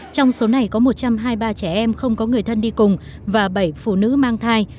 trong số này có một trăm hai mươi ba trẻ em không có người thân đi cùng và bảy phụ nữ mang thai